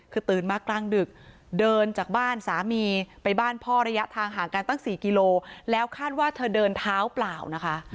คือตื่นมากลางดึกเดินจากบ้านสามีไปบ้านพ่อระยะทางห่างกันตั้ง๔กิโลแล้วคาดว่าเธอเดินเท้าเปล่านะคะ